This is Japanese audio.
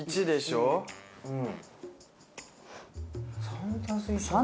うん。